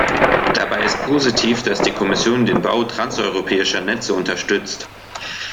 Dabei ist positiv, dass die Kommission den Bau transeuropäischer Netze unterstützt.